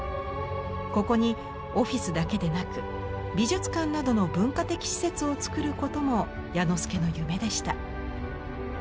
ここにオフィスだけでなく美術館などの文化的施設を造ることも彌之助の夢でした。